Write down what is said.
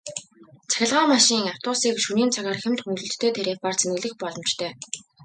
Цахилгаан машин, автобусыг шөнийн цагаар хямд хөнгөлөлттэй тарифаар цэнэглэх боломжтой.